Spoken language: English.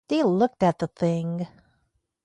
They looked at the thing.